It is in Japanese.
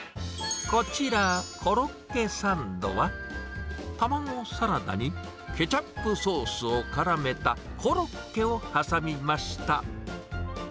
こちら、コロッケサンドは、卵サラダにケチャップソースをからめたコロッケを挟みました。